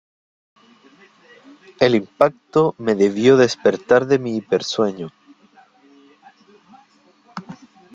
El impacto me debió despertar de mi hipersueño.